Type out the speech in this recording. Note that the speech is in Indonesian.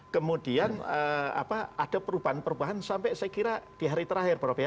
kemudian ada perubahan perubahan sampai saya kira di hari terakhir prof ya